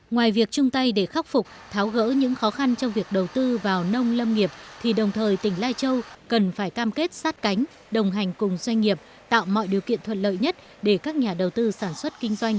ngoài việc chung tay để khắc phục tháo gỡ những khó khăn trong việc đầu tư vào nông lâm nghiệp thì đồng thời tỉnh lai châu cần phải cam kết sát cánh đồng hành cùng doanh nghiệp tạo mọi điều kiện thuận lợi nhất để các nhà đầu tư sản xuất kinh doanh